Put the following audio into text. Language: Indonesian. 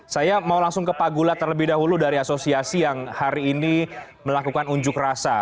saya mau langsung ke pak gula terlebih dahulu dari asosiasi yang hari ini melakukan unjuk rasa